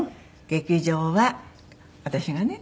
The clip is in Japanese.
劇場は私がね